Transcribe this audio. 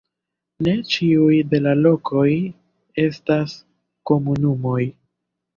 Ne ĉiuj de la lokoj estas komunumoj.